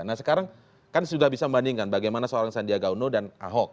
nah sekarang kan sudah bisa membandingkan bagaimana seorang sandiaga uno dan ahok